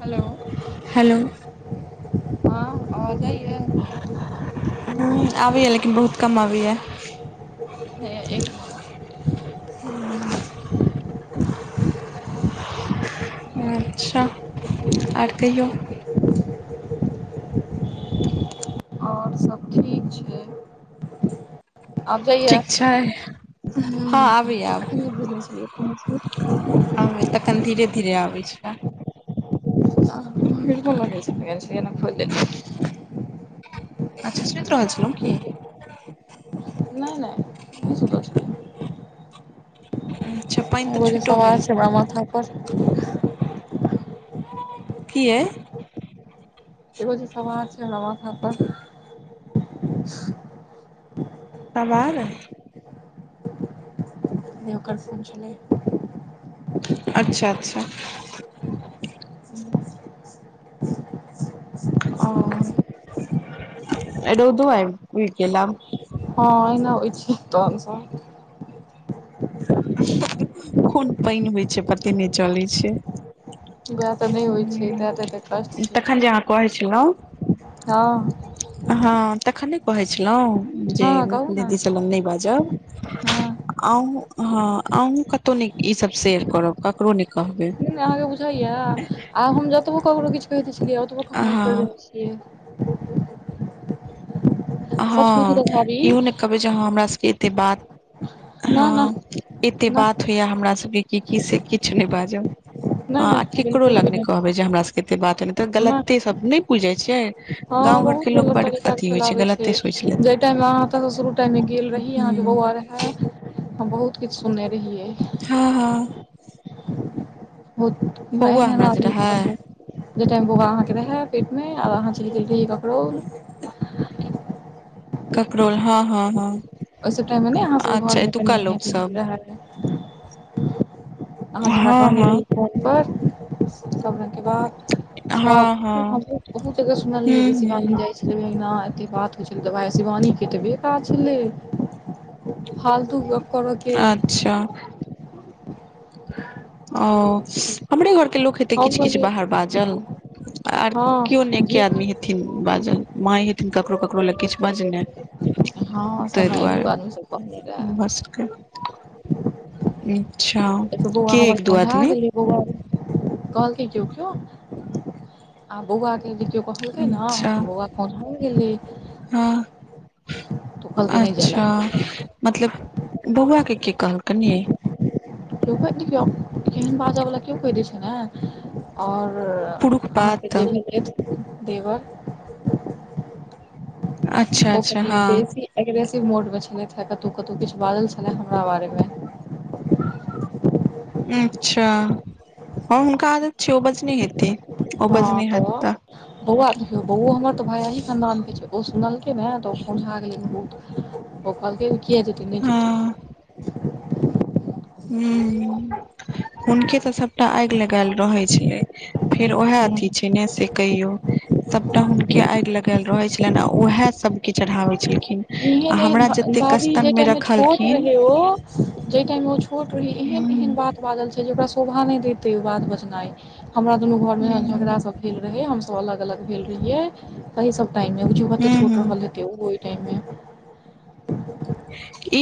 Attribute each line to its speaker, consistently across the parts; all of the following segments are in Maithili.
Speaker 1: हेलो,
Speaker 2: हेलो
Speaker 1: हँ, आ‌वाज जाइए?
Speaker 2: ह आबैया लेकिन बहुत कम अबैएा
Speaker 1: ह एक मिनट
Speaker 2: अच्छा आर कहियौ।
Speaker 1: आओर सब आबैय
Speaker 2: ठीक छै हँ आबैया
Speaker 1: अखने बुझने छलिये
Speaker 2: अबै तखन धीरे- धीरे आबै छै।
Speaker 1: [inaudible]
Speaker 2: अच्छा सुइत रहल छलौं की?
Speaker 1: नै- नै, नै सुतल छलौं।
Speaker 2: उ [inaudible]
Speaker 1: एगो जे सवार छै हमरा माथा पर।
Speaker 2: किए।
Speaker 1: एगो जे सवार छै हमरा माथा पर।
Speaker 2: सवार।
Speaker 1: नै ओकर फोन छलै।
Speaker 2: अच्छा- अच्छा। हूं।
Speaker 1: [inaudible]
Speaker 2: ओ अय रौदौ अय उगिऽ गेल आब।
Speaker 1: हँ अहिना हो छै, तहन सऽ।
Speaker 2: खुन पाइन होइ छै, पते नहि चलैत छै।
Speaker 1: वएह तऽ नहि होइ छै तैं तऽ एते कष्ट
Speaker 2: ह
Speaker 1: छै
Speaker 2: तखन जे अहाँ कहै छलहुँ।
Speaker 1: हँ।
Speaker 2: हँ तखैन नै कहै छलहुँ जे
Speaker 1: हँ कहू ने
Speaker 2: दीदीसँ सब लग नहि बाजब।
Speaker 1: हँ
Speaker 2: अहूं ह अहूं कतहु नै इ सब शेयर करब। ककरो नहि कहबै।
Speaker 1: आब हम जतबो ककरो किछु कहैत छलियै, ओतबो कहनाइ छोड़ि
Speaker 2: हँ
Speaker 1: देने छियै। सच पूछू
Speaker 2: हँ
Speaker 1: तऽ भाभी
Speaker 2: इहो ने कहबै जे हमरा सबके एते बात
Speaker 1: ना
Speaker 2: ह
Speaker 1: ना
Speaker 2: एते
Speaker 1: न
Speaker 2: बात होइया हमरा सबके की कि से किछु नहि बाजब। ह
Speaker 1: नहि
Speaker 2: आ
Speaker 1: नहि
Speaker 2: केकरो
Speaker 1: बिलकुल
Speaker 2: लग
Speaker 1: भी
Speaker 2: ने
Speaker 1: नहि
Speaker 2: कहबै जे हमरा सबके एते बात ह त
Speaker 1: नहि
Speaker 2: गलते सब नहि बुझै छियै।
Speaker 1: हँ
Speaker 2: गाँव
Speaker 1: बहुत
Speaker 2: घरके लोक
Speaker 1: गलत
Speaker 2: बड
Speaker 1: तरीका के
Speaker 2: अथी होइ
Speaker 1: फैलाबे छै।
Speaker 2: गलते सोचि लेत
Speaker 1: जाहि टाइम अहाँ शुरू टाइम मे गेल रही, अहाँके
Speaker 2: हूँ
Speaker 1: बौआ रहै। हम बहुत किछु सुनने रहियै।
Speaker 2: हँ- हँ।
Speaker 1: बहुत हमरा
Speaker 2: बौआ
Speaker 1: एहेन-एहेन
Speaker 2: जे
Speaker 1: आदमी
Speaker 2: रहै
Speaker 1: कहलक। जे टाइम बोआा अहाँके रहै पेट में, आ अहाँ चएल गेल रहियै ककड़ोल।
Speaker 2: कपड़ोल हँ- हँ -हँ।
Speaker 1: ओहिसभ टाइम में नहि अहाँ सबके
Speaker 2: अच्छा
Speaker 1: घर में
Speaker 2: एतुका
Speaker 1: कनि- मनि
Speaker 2: लोक
Speaker 1: अथी
Speaker 2: सब
Speaker 1: रहै। आहां जे हमरा
Speaker 2: हँ
Speaker 1: कहने
Speaker 2: हँ
Speaker 1: रही फोन पर सब रंग के बात। सब
Speaker 2: हँ हँ
Speaker 1: हमहु बहुत जगह सुनलिये
Speaker 2: हूँ
Speaker 1: जे शिवानी
Speaker 2: हूँ
Speaker 1: जाइ छै। अना एते बात होइ छलै तऽ भाइ शिवानी के एतेब काज छलै। फालतू गप करऽ के
Speaker 2: अच्छा! ओ हमरे घर के लोक हेतै
Speaker 1: हम
Speaker 2: किछ- किछ
Speaker 1: पहिले
Speaker 2: बाहर बाजल। आर केओ नय
Speaker 1: हँ
Speaker 2: एके
Speaker 1: जे कि
Speaker 2: आदमी हेत हथिन बाजल मांये, हेथिन ककरो- ककरो लग किछु बजने।
Speaker 1: हँ से
Speaker 2: तहि
Speaker 1: हमरा एक दू आदमी सब कहने
Speaker 2: दुआरे भ
Speaker 1: रहे
Speaker 2: सकये। अच्छा
Speaker 1: त बउआ
Speaker 2: के
Speaker 1: हमर
Speaker 2: एक दू
Speaker 1: खोंउजा
Speaker 2: आदमी
Speaker 1: गेलय। बौआ रे, कहल के कयो - कयो, आ बौआके जै कयो कह कहलके न,
Speaker 2: अच्छा
Speaker 1: त बौआ खोंउजाये गेलय।
Speaker 2: हं
Speaker 1: कहलकै नहि जाय
Speaker 2: अच्छा।
Speaker 1: लए
Speaker 2: मतलब, बौआ के कहलकनि ये।
Speaker 1: [unintelligible] एहन बाजबला केओ कहय दय छै ने। और
Speaker 2: पुरुख
Speaker 1: अहाँके
Speaker 2: पात
Speaker 1: जे भेटलेत देवर।
Speaker 2: अच्छा
Speaker 1: ओ
Speaker 2: अच्छा
Speaker 1: कनी
Speaker 2: हँ
Speaker 1: बेसी एग्रेसिव मोड में छलैहत हे, कतौ- कतौ किछ बाजल छलै हमरा बारे में।
Speaker 2: [inaudible] अच्छा, हं हुनका आदत छै उ बजने हेतय।
Speaker 1: हं त। बौआ देखियौ बौओ हमर त अही ही खानदान के छै, ओ सुनलकय ने, त ओ खोंउजा गेलैय बहुत।
Speaker 2: [inaudible]
Speaker 1: ओ कहलके, किये जेतय, नय जेतय।
Speaker 2: हँ हुं हुनके त सभटा आगि लगेल रहय छय। फेर उयेह अथी छै ने से। कहियो, सबटा हुनके आगि लगेल रहे छलनि, आ उऐह सब के चढ़ाबे छलखिन। आ
Speaker 1: ऐहन-
Speaker 2: हमरा
Speaker 1: ऐहन
Speaker 2: जते
Speaker 1: बाजि,
Speaker 2: कस्तन
Speaker 1: जय
Speaker 2: मे
Speaker 1: टाइम में छोट
Speaker 2: रखलखिन
Speaker 1: रहय ओ। जाहि टाइम ओ छोट रहय, एहन -एहन
Speaker 2: हू
Speaker 1: बात। बाजल छै, जे ओकरा शोभा नय देते, ओ बात बचनाइ, हमरा दुनू घर में झगड़ा सब भेल रहय, हमसब अलग- अलग भेल रहिये। तहि सभ टाइममे, बुजहु कते छोट
Speaker 2: हू
Speaker 1: रहल हेतै, ओ ओहि टाइम में।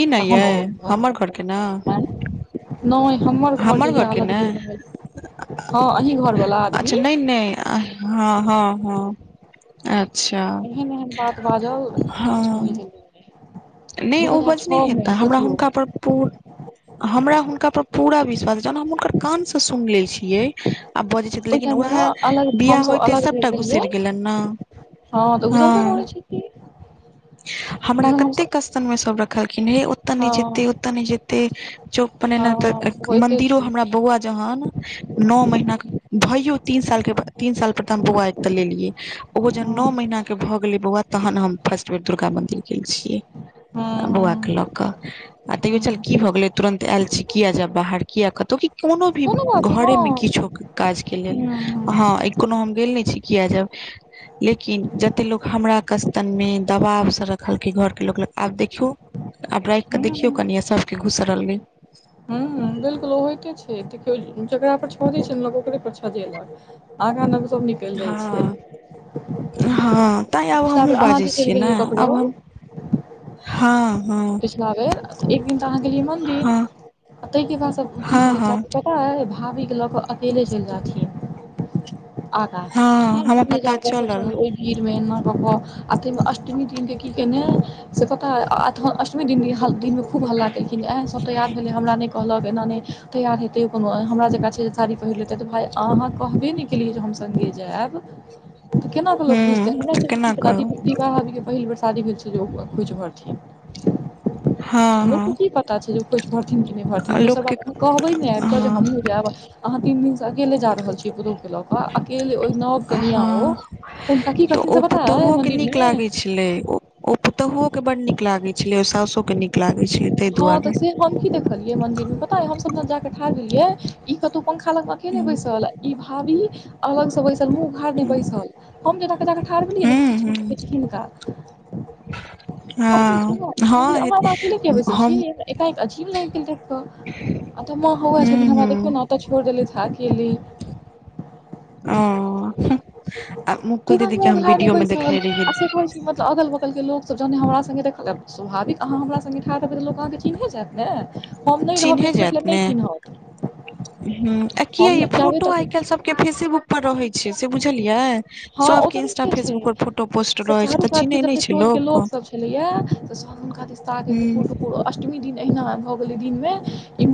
Speaker 2: ई ने
Speaker 1: तहन
Speaker 2: यै
Speaker 1: ओ
Speaker 2: हमर घर के ने
Speaker 1: आंय नहि हमर घर जहिया अलग भेल रहय, हँ अही घर वाला आदमी।
Speaker 2: आ हँ -हँ- हँ। अच्छा
Speaker 1: एहन एहन बात बाजल जे किछु
Speaker 2: हँ।
Speaker 1: कहैके लेल नहि
Speaker 2: नहि
Speaker 1: दू
Speaker 2: ओ
Speaker 1: हजार छओ
Speaker 2: बजने
Speaker 1: मे
Speaker 2: हेता, हमरा
Speaker 1: सोचियौ
Speaker 2: हुनका
Speaker 1: ओहि
Speaker 2: पर पू हमरा हुनका पर पूरा विश्वास अय, जखन हम हुनकर कान स सुन ले छिय। आब बजे छथि, लेकिन
Speaker 1: टाइम मे ने
Speaker 2: उऐह
Speaker 1: अलग
Speaker 2: बियाह
Speaker 1: हमसभ
Speaker 2: होइते,
Speaker 1: अलग भेल
Speaker 2: सभटा
Speaker 1: रहियै
Speaker 2: घुसरि गेलनि न।
Speaker 1: हँ तऽ गुजरबे
Speaker 2: हँ
Speaker 1: करै छथिन
Speaker 2: हमरा क
Speaker 1: तखन
Speaker 2: एते
Speaker 1: हमसभ
Speaker 2: कस्तन मे सब रखलखिन, हे ओतऽ नहि जेते
Speaker 1: हँ
Speaker 2: ओतऽ नहि जेते। चौक प ऐना त
Speaker 1: हँ होइते
Speaker 2: मंदिरो,
Speaker 1: छै
Speaker 2: हमरा बौआ जहन न महीना के भैयो तीन साल के बा, तीन साल पर तऽ हम बौआ अत लेल ऐह, ओ जहन
Speaker 1: हँ
Speaker 2: न महीना के भऽ गेलै बौआ तहन हम फर्स्ट बेर, दुर्गा मन्दिर गेल छिय।
Speaker 1: हँ
Speaker 2: बौआ के
Speaker 1: हँ
Speaker 2: लक, आ तैयो चल की
Speaker 1: हँ
Speaker 2: भऽ गेलै, तुरन्त आयल छी किये जेब बाहर किया कतहु की कोनो भी
Speaker 1: बात
Speaker 2: घरे में,
Speaker 1: नहि
Speaker 2: किछु काज के लेल हँ कोनो हम गेल नहि छी किये जेब लेकिन जते लोग हमरा कस्तन में, दबाव स रखल के घर के लोग लग आब देखियौ, आब राखिक देखियौ,
Speaker 1: हँ
Speaker 2: कनि आ सबके घुसरल गै।
Speaker 1: हुं, बिलकुल ओ होइते छै, देखियौ जेकरा पर छजै छै न, लोक ओकरे पर छजेलक। आह खना क सबनी।
Speaker 2: हँ- हँ। तैँ आब
Speaker 1: पिछला
Speaker 2: हमहहुँ
Speaker 1: बेर अहाँ
Speaker 2: बाजै
Speaker 1: जे चलि
Speaker 2: छियै ने
Speaker 1: गेलियै ककरो
Speaker 2: आब हम हँ।
Speaker 1: पिछला बेर एक दिन त अहाँ गेलियै मंदिर
Speaker 2: हँ
Speaker 1: आ ताहि के बाद सब की के
Speaker 2: हँ
Speaker 1: ल चाह।
Speaker 2: हँ
Speaker 1: पता अई भाभी के लऽ कऽ अकेले चल जाथिन। आगा।
Speaker 2: हँ हमरा पता चलल
Speaker 1: [unintelligible] भिर मे ना अष्टमी दिन के की केने है से पता अई। दशमी दिन ह दिनमे खूब हल्ला केलखिन एह सब तऽ यार भेलै हमरा नई। कहलक एना नहि तैयार हेतय कोनो हमरा जेकाँ छै साड़ी पहिरल। किया तऽ आनअ कहबे नहि केलियै जे हम सङ्गे जायब तऽ केनाकऽ लोक बुझतै
Speaker 2: हूँ तऽ
Speaker 1: हमरासके
Speaker 2: केना
Speaker 1: की पता
Speaker 2: कहू
Speaker 1: विवाहीक पहिल बेर शादी भेल छै जे ओ खोइच भरथिन
Speaker 2: हँ
Speaker 1: लोककेँ की पता छै जे ओ खोज भरथिन कि नहि भरथिन आ
Speaker 2: हँ
Speaker 1: दोसर
Speaker 2: लोकके
Speaker 1: बात अहाँ कहबै ने नहि आबि कऽ जे
Speaker 2: हँ
Speaker 1: हमहूँ जायब अहाँ तीन दिन से अकेले जा रहल छीयै पुतहु के लऽ क अकेल ओहि न कनिया ओ
Speaker 2: हँ
Speaker 1: हुनका की करथिन से पता अई मन्दिरमे
Speaker 2: की लै ओ। ओ पुतोहु के बड नीक न लागै छलै ओ सासो के नीक लागै छल तई
Speaker 1: हँ
Speaker 2: दुआरे
Speaker 1: जाक ठा गेलियै ई कतौ पंखा लगमेखे नहि
Speaker 2: हूँ
Speaker 1: बैसल ई भावी अलग से बैसल मुँह उघारने
Speaker 2: हूँ
Speaker 1: बैसल हम जेनाके ठाढ़ भेलिए न
Speaker 2: हँ हँ
Speaker 1: - त।
Speaker 2: हँ
Speaker 1: अखिले के बैसल छी एकाएक अजीब लागि गेल देख क। अ तऽ म हआ छथि
Speaker 2: हूँ
Speaker 1: दिन हमरा देखिय
Speaker 2: हूँ
Speaker 1: नेतऽ छोड़ देलैथ अकेले।
Speaker 2: ओ आ मुकुल
Speaker 1: पूरा
Speaker 2: दीदी
Speaker 1: म
Speaker 2: के हम
Speaker 1: घाय
Speaker 2: वीडियो
Speaker 1: नहिबै
Speaker 2: मे
Speaker 1: सल
Speaker 2: देखने रहियै
Speaker 1: कह मतलब अगल बगल के लोक सब जहने हमरा संगे देखल स्वभाविक अहाँ हमरा संगे। अहाँकेँ चिन्हे जायत ने हम नहि रहब एक पोट ल नहि चिन्हत।
Speaker 2: हूं आ किया
Speaker 1: हम
Speaker 2: की
Speaker 1: जाबे
Speaker 2: फोटो
Speaker 1: तक
Speaker 2: आइ काल्हि सबके फेसेबुक पर रहैत छै से बुझलियै।
Speaker 1: हँ ओ
Speaker 2: सबके
Speaker 1: तऽ
Speaker 2: इंस्टा
Speaker 1: रहते
Speaker 2: फेसबुक
Speaker 1: छै
Speaker 2: पर फोटो पोस्ट
Speaker 1: से
Speaker 2: रहै छै तऽ
Speaker 1: चारूकात के
Speaker 2: चिन्है नहि
Speaker 1: जे
Speaker 2: छै
Speaker 1: टोल के लोक
Speaker 2: हूँ
Speaker 1: सब छलै या से सब। हुनकादिस्ताके टुकुर टुकुर अष्टमी दिन एहिना भऽ गेलै दिनमे।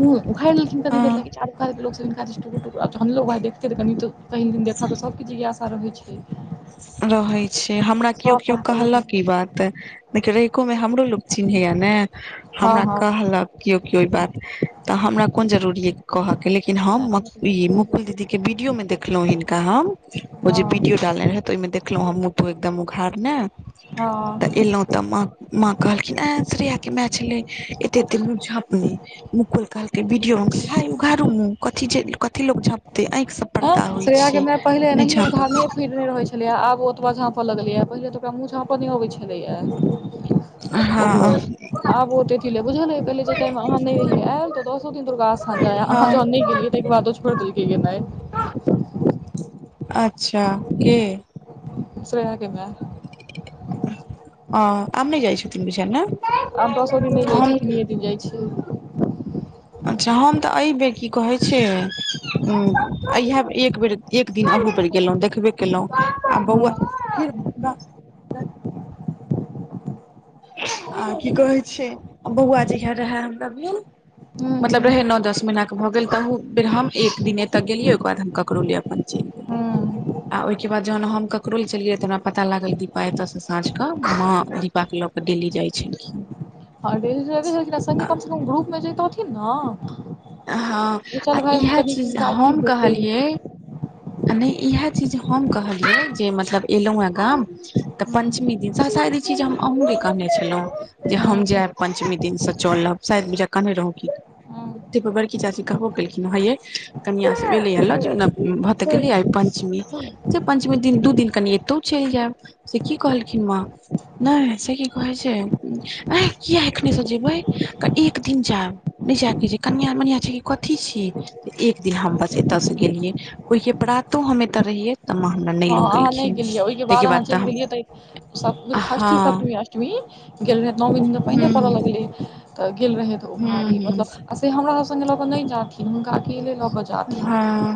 Speaker 1: मुंह उघाइर लेलखिन कनी
Speaker 2: हँ
Speaker 1: देर लै की चारूकात के लोक सब हिनका दिस टुकुर-टुकुर। देखतै तऽ कनि त कहीं दिन देखऽके सबकेु जिज्ञासा रहैत छै।
Speaker 2: रहै छै हमरा केओ
Speaker 1: सभ
Speaker 2: केओ
Speaker 1: पागल
Speaker 2: कहलक
Speaker 1: लगलै
Speaker 2: ई बात देखिन। एको मे हमरो लोग चिन्हैया ने
Speaker 1: हँ
Speaker 2: हमरा
Speaker 1: हँ
Speaker 2: कहलक कियो कियो इ बात तऽ हमरा कोन जरूरी कहय के लेकिन हम ई मुकुल दीदी के वीडियो मे देख देखलहु हिनका हम ओ जे
Speaker 1: हँ
Speaker 2: वीडियो डालने रहै तऽ ओहिमे देखलहुं हम मुँह तू एकदम उघाड़ने
Speaker 1: हँ
Speaker 2: तऽ एलहुँ तऽ माँ कहलखिन ए श्रया के मैय छलै। कते मुंह झपने। मुकुल कहलके विडियो में हई उघारू मुंह कथी छै लोग झाँपते आँखि सब पर्दा
Speaker 1: हँ
Speaker 2: होइ
Speaker 1: श्रेया के
Speaker 2: छै
Speaker 1: मैया पहिलो
Speaker 2: नहि
Speaker 1: एनाहे
Speaker 2: झाँपब
Speaker 1: उचारने फीरथीन। छलेा आब ओतबा झाँप लगलेएा पहिल तऽक मुंह झाँं नहि अबे छलेया। ओ
Speaker 2: हँ
Speaker 1: आबतेीे बुझल पे जेटाइ अह रहि आयल तऽ दसो दिन ता। साँझा आा अहाँ
Speaker 2: हँ
Speaker 1: जहन नै गेलिए तई के बाद ओ छोर देलके गेनाई-
Speaker 2: अच्छा के।
Speaker 1: श्रया के मेअ।
Speaker 2: ह आब नहि जाइ छथिन न बुझाया न।
Speaker 1: आब दसो दिन नै जाइ छै तीनयै दिन जाइ छै।
Speaker 2: अच्छा हम तऽ ए बेेर की कहै छै, उम्म एहयै बेर एक बेर एक दिन एहि पर गेलौ देखबे केलौ आ
Speaker 1: हँ।
Speaker 2: बौआ हें रे बा आ की कहै छै बौआ जहिया रहै हमरा भेल
Speaker 1: हूँ
Speaker 2: मतलब
Speaker 1: हूँ
Speaker 2: रहे नौ-दस महीना के भऽ गेल तहू बेर हम एक दिन ऐता गेलियै ओय के बाद हम ककरो लिए अपन चैल गेलौ।
Speaker 1: हूँ
Speaker 2: आ ओयके बाद जहन हम ककरोल चलिये तऽ हमरा पता लागल दीपा एतय से साँझ के मां दीपा के ल क दिल्ली जाइ छलखिन।
Speaker 1: आ डेली [unintelligible] संगे कम से कम ग्रुप मे जते थिन नै।
Speaker 2: हँ
Speaker 1: जे
Speaker 2: आ
Speaker 1: चल भाय
Speaker 2: इएह
Speaker 1: कनि
Speaker 2: चीज
Speaker 1: हुनका अथी
Speaker 2: हम
Speaker 1: हौते
Speaker 2: कहलियै आ नै इहे चीज हम कहलियै जे मतलब एलौ यै गाम तऽ
Speaker 1: हूँ
Speaker 2: पञ्चमी दिन स सायद ई चीज हम अहूँ के कहने छलौ जे हम
Speaker 1: हूँ
Speaker 2: जायब पञ्चमी दिनसँ चलब शायद ज कहने रहो की
Speaker 1: हूँ
Speaker 2: तै पर बड़की चाची कहबो केलखिन हां यै कनिया सब ऐलै यै ल जाउ नै भै तऽ गेलिए पञ्चमी से पञ्चमी दिन दू दिन कनि एतो चल जायब। से की कहलखिन मां नै से की कहै छै ऐ किया एखने से जेबै त एक दिन जायब। नै जाके छै, कनिया-मनिया छीयै की कथी छी, एक दिन हम बस एत्ता से गेलियै। ओय के प्रातो हम एत्ता रहियै। तऽ माँ हमरा नहि
Speaker 1: हां
Speaker 2: लऽ
Speaker 1: अहाँ नै
Speaker 2: गेलखिन
Speaker 1: गेलियै, ओयके
Speaker 2: ताहिके
Speaker 1: बाद अहाँ चैल
Speaker 2: तऽ
Speaker 1: गेलियै त सप्त,
Speaker 2: हम
Speaker 1: खष्ठी,
Speaker 2: हँ
Speaker 1: सप्तमी अस्ट मी गेल रहै तै नवीं दिना तऽ पाइने पड़य
Speaker 2: ह्म
Speaker 1: लागलै त गेल रहै तऽ ओ भाभी
Speaker 2: ह्म ह्म
Speaker 1: मतलब से हमरा सब संगे ल के नै जाथिन हुनका अकेले ल के जा
Speaker 2: हां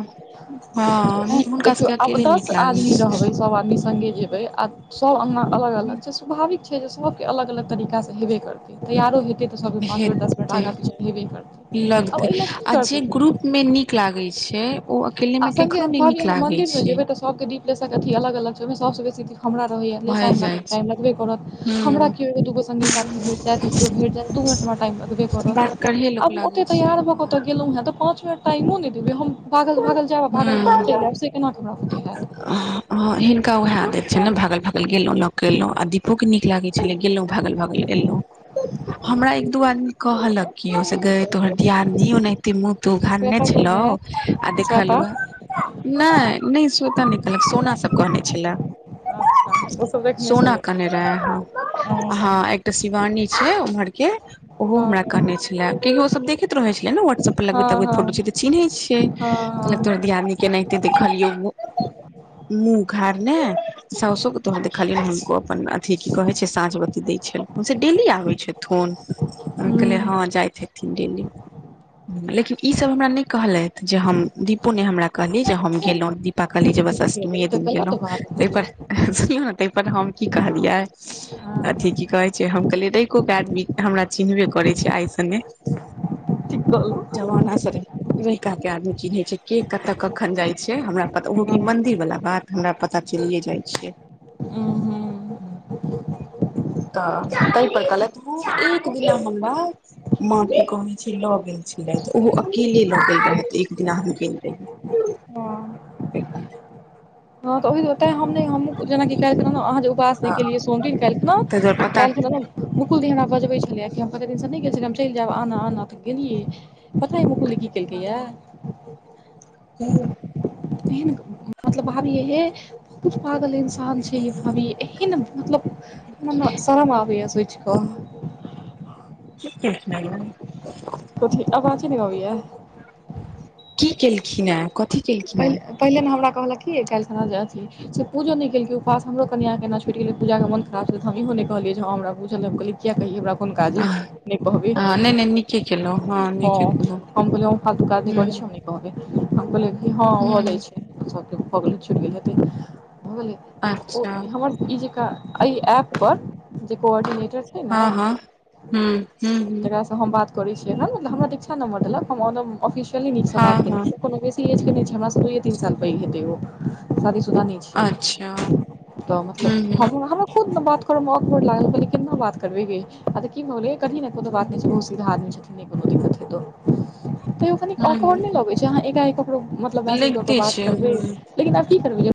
Speaker 2: हां निक हुनका सबके अकेले नीक
Speaker 1: स
Speaker 2: लागै
Speaker 1: आदमी
Speaker 2: छै
Speaker 1: रहबै, सब आदमी संगे जेबै आ सब अंगना अलग-अलग छै, स्वभाविक छै जे सबके अलग-अलग तरीका से हेबे करतै, तैयारो हेतै त सबके पाँच मिनट दस मिनट
Speaker 2: हेतै
Speaker 1: आगाँ पीछा हेबे करतै, आब ओय लए की करतै
Speaker 2: लागे छै ओ अकेले
Speaker 1: आ
Speaker 2: में
Speaker 1: संगे
Speaker 2: कखनो नै
Speaker 1: भाभी
Speaker 2: नीक
Speaker 1: अहाँ
Speaker 2: लागे
Speaker 1: मन्दिर
Speaker 2: छै।
Speaker 1: जेबै तऽ सबके दीप लेसे के अथी अलग-अलग छै, ओयमे सबसँ बेसी त हमरा रहय यै लेसा
Speaker 2: भए
Speaker 1: में हमरा
Speaker 2: जाइ
Speaker 1: कनि
Speaker 2: छै
Speaker 1: टाइम लगबै करत, हमरा
Speaker 2: ह
Speaker 1: कीयो एगो-दूगो संगी साथी भेट कियाकि कियो भेट जायत दू मिनट हमरा टाइम लगबे
Speaker 2: बात
Speaker 1: करत,
Speaker 2: करहे लोक
Speaker 1: आब हम ओते
Speaker 2: लागै छै
Speaker 1: तैयार भ ओता
Speaker 2: हँ
Speaker 1: गेलहो हें त पांच मिनट टाइमो नै देबै हम भागल-भागल जायब आ भागल-भागल चैल ऐब से केना के हमरा सबके हैत।
Speaker 2: हां-हां हिनका वैह आदत छै नै भागल-भागल गेलों ल क एलों आ दीपो के नीक लागे छले गेलौं भागल-भागल एलौं, हमरा एक दू आदमी कहलक की हे से गै तोहर दियादनी ओन्हते मुँह-तुंह उघारने
Speaker 1: श्वेता
Speaker 2: छलौ
Speaker 1: कहने हैत
Speaker 2: आ देखलो
Speaker 1: श्वेता
Speaker 2: नै-नै स्वता नै कहलक सोना सब कहने छले।
Speaker 1: अच्छा ओ सब देखने
Speaker 2: सोना
Speaker 1: छलै
Speaker 2: कहने रहे
Speaker 1: हँ
Speaker 2: हां-हां एक एकटा शिवानी छै उम्हर के ओहो
Speaker 1: हँ
Speaker 2: हमरा कहने छले कियाकि ओ सब देखैत रहे छले नै उम्हर सब पर
Speaker 1: हँ
Speaker 2: लगबै-तगबै
Speaker 1: हँ
Speaker 2: फोटो छै त चिन्है छियै,
Speaker 1: हँ
Speaker 2: कहलक
Speaker 1: हँ,
Speaker 2: तोहर दियादनी के एनाहिते देखलियै एगो मुँह उघारने सउसो के तोहर देखलियौ हूनको अपन अथी की कहे छै साँझ बत्ती दै छल। हां से डेली आबै छथुन अ कहलियै
Speaker 1: हुँ
Speaker 2: हां जाइत हेथीन डेली। लेकिन ई सब हमरा नै कहलैथ जे हम दीपो नै हमरा कहलै जे हम गेलौ रहे दीप पा कहलीए जे बस
Speaker 1: देखियौ
Speaker 2: अष्टमीए दिन
Speaker 1: तऽ ई तऽ
Speaker 2: गेलो
Speaker 1: गलत बात
Speaker 2: तै
Speaker 1: भेलै
Speaker 2: पर सुनियौ नै तै पर हम की कहलियै
Speaker 1: हँ
Speaker 2: अथी की कहै छै हम कहलियै रैकोे के आदमी हमरा चिन्हबे करै छै आइ से नै
Speaker 1: चिकल
Speaker 2: जमाना से रहे रहिका में। के आदमी चिन्है छै, के कत कखन जाय छै, हमरा पता ओहो की
Speaker 1: हँ
Speaker 2: मंदिर वाला बात हमरा पता चलिए जाय छै।
Speaker 1: उं हुं।
Speaker 2: तऽ तहि पर कहलक उ एक दिना हमरा माँ के कहने छै लऽ गेल छै राति, ओहो अकेले ल गेल रहे। एक दिना हम गेल
Speaker 1: हँ
Speaker 2: रही।
Speaker 1: हँ तऽ ओहि दुआरे तइं हम नहि हमहूं। जेनि कालहि अहाँ जे उपास के लिए सोमदिन काल्हिखेना
Speaker 2: दुआरे
Speaker 1: तऽ हम
Speaker 2: पता
Speaker 1: कल्हिखिना नऽ मुकुल दी हमरा बजबै छलै, कि हम कते दिनसँ नहि गेल छलियै, हम चलि जायब आने- आने त गेलियै। पतायै मुकुल दी की केलकैया हे।
Speaker 2: कि?
Speaker 1: एहन ग भाभी हे बहुत पागल इन्सान छै, ये भाभी एहेन मतलब हमरा शरम आबैये सोचि कऽ।
Speaker 2: कि केलखिन यै?
Speaker 1: कथि आवाजे नै अबैया।
Speaker 2: की केलखिन हे, कथी केलखिन हे।
Speaker 1: पहिले पहिले हमरा कहलक कि जे काल्हिखना जे अथी। से पूजो नहि केलकै उपास हमर कनियांके केना छुटि गेलै, पूजा के मन खराब छलै, तऽ हम इहो नहि कहलियै हँ हमरा बुझल रहै हम कहलै किया कहिये हमरा कोन काजे नै कहबे।
Speaker 2: नै-नै निके केलहु।
Speaker 1: ह हम कहलिये हम फालतू काज नै
Speaker 2: हूँ
Speaker 1: करै छी, हम नै हम कहलिये है भऽ जाइ
Speaker 2: हूँ
Speaker 1: छै, भऽ गेल छुटि गेल हेते भऽ गेले।
Speaker 2: अच्छा!
Speaker 1: ई जेका एहि ऐप पर, जे कोऑर्डिनेटर छै ने
Speaker 2: हू -हूं -हूं।
Speaker 1: तऽ हम बात करै छियै हन हमरा इच्छा नम्बर देलक, हम ओदम ऑफिशियली नीकसँ
Speaker 2: हँ
Speaker 1: बात केने
Speaker 2: हँ
Speaker 1: छियै। कोनो बेसी एज के नहि छै, हमरा से दूये -तीन साल पैघ हेतै ओ शादीशुदा नै छै,
Speaker 2: अच्छा
Speaker 1: तऽ
Speaker 2: हूँ
Speaker 1: मतलब
Speaker 2: हूँ
Speaker 1: हम-हमरा खुद ने बात करै में आकवाड लागल हम कहलिये केना बात करबे गे, आ तऽ की भऽ गेलै की ने को बात नहि छै बहुत सीधा आदमी छथिन। नहि कोनो दिक्कत हेतो त कनि
Speaker 2: हूँ
Speaker 1: आकवाड नै
Speaker 2: हूँ
Speaker 1: लगे छै, आहा एकाएक ककरो मत लब मैसेज कऽ के
Speaker 2: लगिते
Speaker 1: बात
Speaker 2: छै
Speaker 1: करबै,
Speaker 2: हूँ
Speaker 1: लेकिन आब की करबै